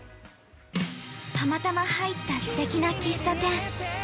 ◆たまたま入ったすてきな喫茶店。